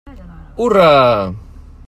Hurra!